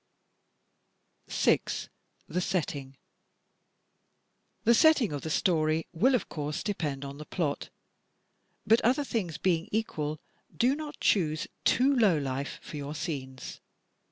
6, The Setting The setting of the story will of course depend on the plot; but, other things being equal, do not choose too low life for your scenes.